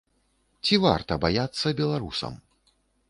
Ці варта баяцца беларусам?